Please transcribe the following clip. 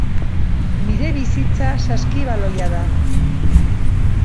Nire bizitza saskibaloia da.